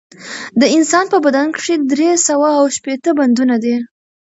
د انسان په بدن کښي درې سوه او شپېته بندونه دي